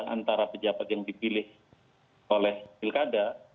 antara pejabat yang dipilih oleh pilkada